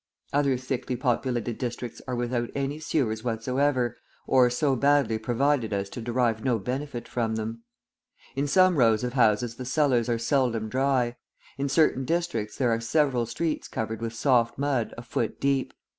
Other thickly populated districts are without any sewers whatsoever, or so badly provided as to derive no benefit from them. In some rows of houses the cellars are seldom dry; in certain districts there are several streets covered with soft mud a foot deep.